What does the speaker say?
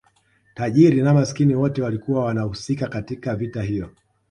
tajiri na masikini wote walikuwa wanahusika katika vita hiyo